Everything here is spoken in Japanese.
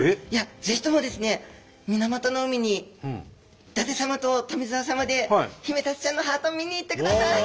ぜひともですね水俣の海に伊達様と富澤様でヒメタツちゃんのハートを見に行ってください！